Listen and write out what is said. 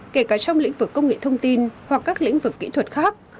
kể cả trong lĩnh vực công nghệ thông tin hoặc các lĩnh vực kỹ thuật khác